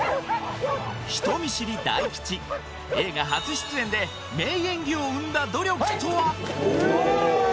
人見知り大吉映画初出演で名演技を生んだ努力とは？